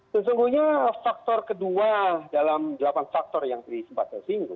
sesungguhnya faktor kedua dalam delapan faktor yang tadi sempat saya singgung